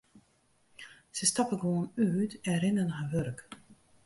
Se stappe gewoan út en rinne nei har wurk.